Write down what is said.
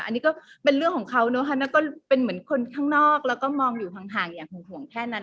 อันนี้ก็เป็นเรื่องของเขาเนอะค่ะแล้วก็เป็นเหมือนคนข้างนอกแล้วก็มองอยู่ห่างอย่างห่วงแค่นั้น